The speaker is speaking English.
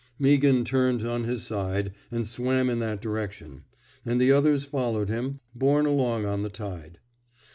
Meaghan turned on his side, and swam in that direction; and the others followed him, borne along on the tide.